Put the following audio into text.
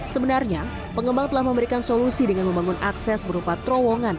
sebenarnya pengembang telah memberikan solusi dengan membangun akses berupa terowongan